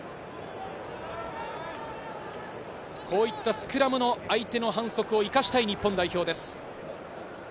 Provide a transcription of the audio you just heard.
こういったスクラムの相手の反則を生かしたい日本代表です。